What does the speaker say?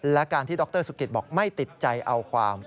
และการที่ดรสุกิตบอกไม่ติดใจเอาความ